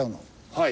はい。